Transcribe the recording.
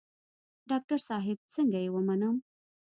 ډاکتر صاحب څنګه يې ومنم.